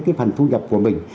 cái phần thu nhập của mình